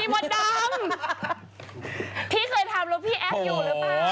มดดำพี่เคยทำรถพี่แอฟอยู่หรือเปล่า